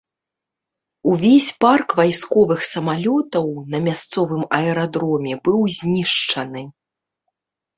Увесь парк вайсковых самалётаў на мясцовым аэрадроме быў знішчаны.